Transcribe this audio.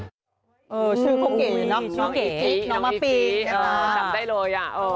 ชื่อเขาเก่งนะชื่อเก่ง